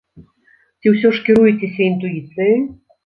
Ці ўсё ж кіруецеся інтуіцыяй?